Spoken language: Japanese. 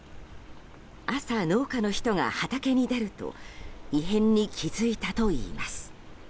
朝、農家の人が畑に出ると異変に気付いたといいます。